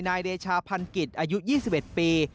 เดชาพันกิจอายุ๒๑ปี